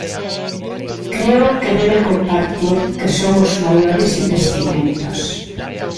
Creo que debe compartir que son os maiores investimentos.